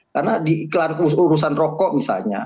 karena di iklan urusan rokok misalnya